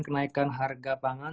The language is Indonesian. kenaikan harga pangan